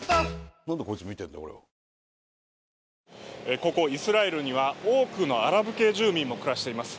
ここイスラエルには、多くのアラブ系住民も暮らしています。